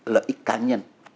lợi ích cá nhân